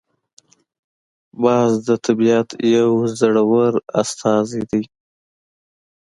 باز د طبیعت یو زړور استازی دی